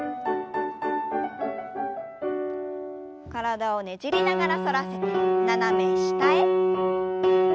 体をねじりながら反らせて斜め下へ。